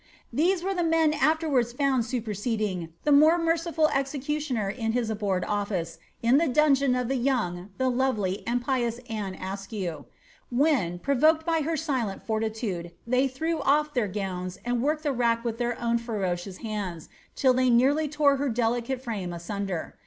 These were the men after wards found superseding the more merciful executioner in his abhorred office, in tlie dungeon of the young, the lovely, and pious Anne Askew, when, provoked by her silent fortitude, they threw off their gowns and worked the rack with their own ferocious hands, till they nearly tore her delicate frame asunder.